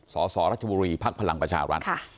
สอรัชบุรีภาคพลังประชาวรัฐ